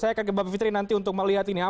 saya akan ke mbak fitri nanti untuk melihat ini